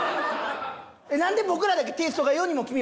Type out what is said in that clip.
え何で僕らだけテイストが『世にも奇妙』